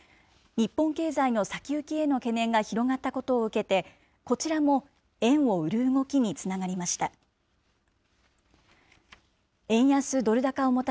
日本経済の先行きへの懸念が広がったことを受けて、こちらも円を売る動きにつながりました。